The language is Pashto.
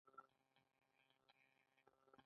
ایا زه دفتر ته لاړ شم؟